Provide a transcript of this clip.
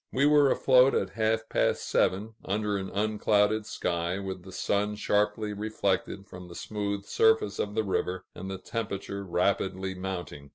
We were afloat at half past seven, under an unclouded sky, with the sun sharply reflected from the smooth surface of the river, and the temperature rapidly mounting.